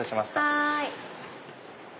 はい。